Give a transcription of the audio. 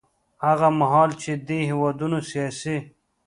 هغه مهال چې دې هېوادونو سیاسي